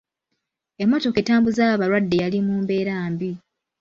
Emmotoka etambuza abalwadde yali mu mbeera mbi.